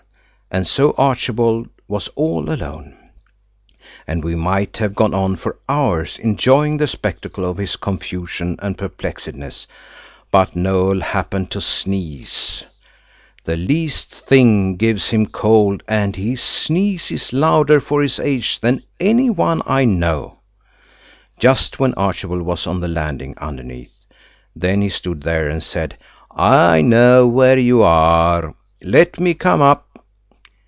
And so Archibald was all alone. And we might have gone on for hours enjoying the spectacle of his confusion and perplexedness, but Noël happened to sneeze–the least thing gives him cold and he sneezes louder for his age than any one I know–just when Archibald was on the landing underneath. Then he stood there and said– "I know where you are. Let me come up."